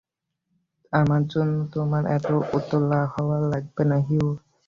আমার জন্য তোমার এত উতলা হওয়া লাগবে না, হিউ।